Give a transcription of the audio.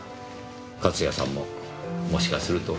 勝谷さんももしかすると。